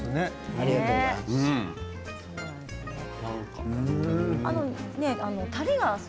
ありがとうございます。